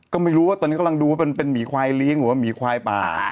ก็ไม่รู้ว่าตอนนี้กำลังดูว่าเป็นหมีควายเลี้ยงหรือว่าหมีควายป่า